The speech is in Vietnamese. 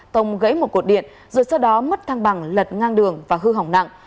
tông gãy một cột điện rồi sau đó mất thăng bằng lật ngang đường và hư hỏng nặng